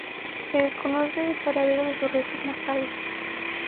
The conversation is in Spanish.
Se desconoce el paradero de sus restos mortales.